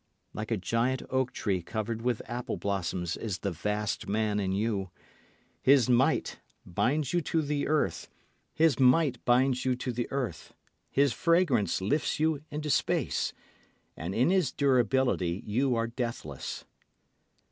Like a giant oak tree covered with apple blossoms is the vast man in you. His might binds you to the earth, his fragrance lifts you into space, and in his durability you are deathless.